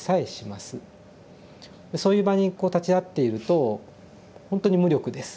そういう場にこう立ち会っているとほんとに無力です